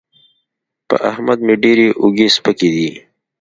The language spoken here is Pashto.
په احمد مې ډېرې اوږې سپکې دي.